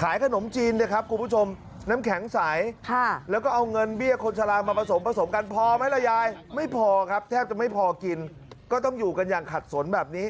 ขายขนมจีนนะครับคุณผู้ชมน้ำแข็งใสแล้วก็เอาเงินเบี้ยคนชะลามาผสมผสมกันพอไหมล่ะยายไม่พอครับแทบจะไม่พอกินก็ต้องอยู่กันอย่างขัดสนแบบนี้